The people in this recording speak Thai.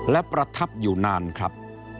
และประทับอยู่นานครับ